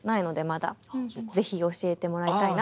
是非教えてもらいたいなと。